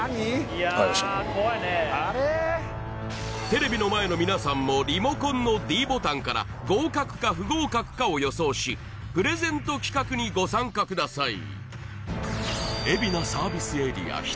テレビの前の皆さんもリモコンのｄボタンから合格か不合格かを予想しプレゼント企画にご参加ください